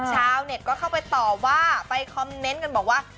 ชาวเน็ตก็เข้าไปต่อว่าไปคอมเมนต์กันบอกว่า